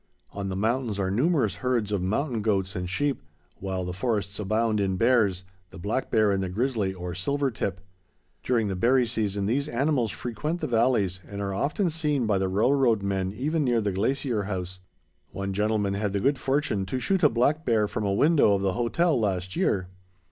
On the mountains are numerous herds of mountain goats and sheep, while the forests abound in bears—the black bear and the grizzly or silver tip. During the berry season, these animals frequent the valleys and are often seen by the railroad men even near the Glacier House. One gentleman had the good fortune to shoot a black bear from a window of the hotel last year.